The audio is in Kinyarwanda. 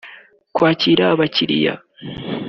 kwakira abakiriya